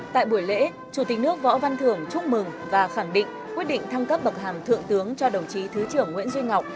tại buổi lễ chủ tịch nước võ văn thưởng chúc mừng và khẳng định quyết định thăng cấp bậc hàm thượng tướng cho đồng chí thứ trưởng nguyễn duy ngọc